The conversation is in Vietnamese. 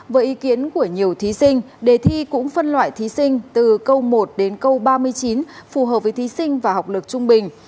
với ý kiến của nhiều thí sinh đề thi cũng phân loại thí sinh từ câu một đến câu ba mươi chín phù hợp với thí sinh và học lực trung bình